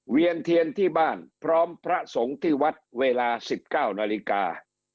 เวียนเทียนที่บ้านพร้อมพระสงฆ์ที่วัดเวลา๑๙นาฬิกา